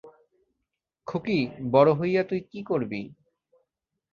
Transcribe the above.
খুকী, বড় হইয়া তুই কী করবি?